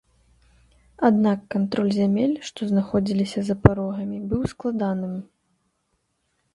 Аднак кантроль зямель, што знаходзіліся за парогамі, быў складаным.